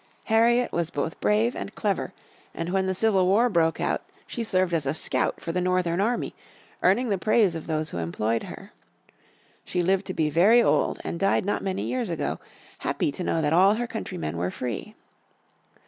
Harriet was both brave and clever, and when the Civil War broke out, she served as a scout for the Northern Army, earning the praise of those who employed her. She lived to be very old, and died not many years ago, happy to know that all her countrymen were free.